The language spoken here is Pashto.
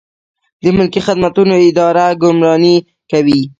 د ملکي خدمتونو اداره ګمارنې کوي